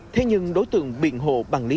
thế nhưng đối tượng biện hộ bằng lý do